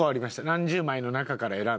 何十枚の中から選んで。